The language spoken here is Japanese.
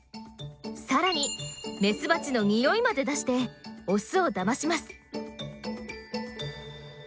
さらにメスバチの匂いまで出してオスをだまします。